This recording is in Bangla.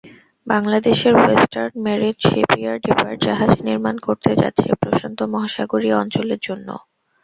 বাংলাদেশের ওয়েস্টার্ন মেরিন শিপইয়ার্ড এবার জাহাজ নির্মাণ করতে যাচ্ছে প্রশান্ত মহাসাগরীয় অঞ্চলের জন্য।